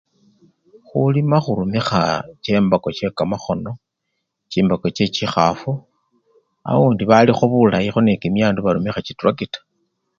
Khulima khurumikha chimbako chekamakhono, chimbako chechikhafu, abundi balikho bulayikho nekimyandu barumikha chitrakita.